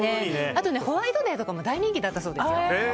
あとホワイトデーとかも大人気だったそうですよ。